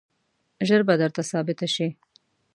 ژر به درته ثابته شي.